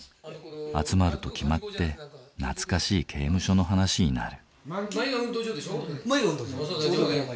集まると決まって懐かしい刑務所の話になる。